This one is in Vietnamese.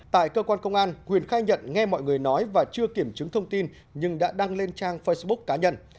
tại cơ quan công an huyền khai nhận nghe mọi người nói và chưa kiểm chứng thông tin nhưng đã đăng lên trang facebook cá nhân